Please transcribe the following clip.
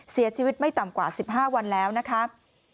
เสียชีวิตไม่ต่ำกว่า๑๕วันแล้วนะครับ